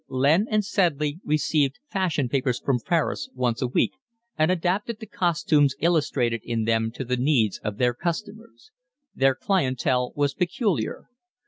Lynn and Sedley received fashion papers from Paris once a week and adapted the costumes illustrated in them to the needs of their customers. Their clientele was peculiar.